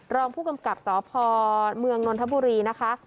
รองผู้กำกับสพเมืองนนทบุรีนะคะ